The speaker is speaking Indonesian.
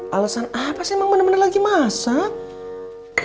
alasan apa saya emang bener bener lagi masak